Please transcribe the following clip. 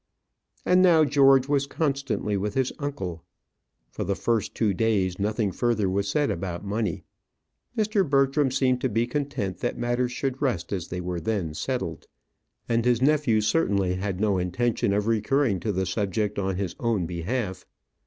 And now George was constantly with his uncle. For the first two days nothing further was said about money. Mr. Bertram seemed to be content that matters should rest as they were then settled, and his nephew certainly had no intention of recurring to the subject on his own behalf.